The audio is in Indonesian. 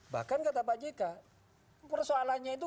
bahkan kata pak jk persoalannya itu